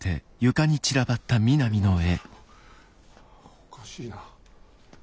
おかしいな。